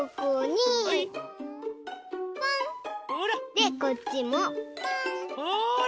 でこっちもポン！ほら！